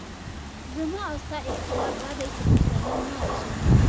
زما او ستا اختلاف دادی چې پښتانه مه وژنه.